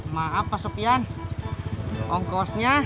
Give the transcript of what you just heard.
maaf pak supian ongkosnya